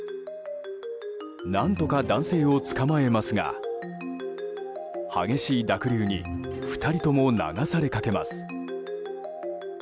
何とか男性をつかまえますが激しい濁流に２人とも流されかけます。